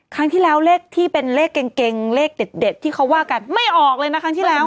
ครั้งที่แล้วเลขที่เป็นเลขเก่งเลขเด็ดที่เขาว่ากันไม่ออกเลยนะครั้งที่แล้ว